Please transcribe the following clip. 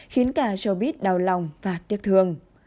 khiến cả showbiz đau lòng và tiếc thương